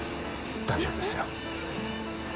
大丈夫ですよ